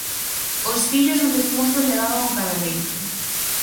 Os fillos do defunto levaban o cadaleito.